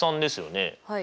はい。